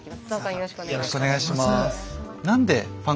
よろしくお願いします。